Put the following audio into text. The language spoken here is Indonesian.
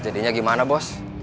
jadinya gimana bos